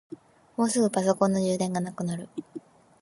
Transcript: もうすぐパソコンの充電がなくなる。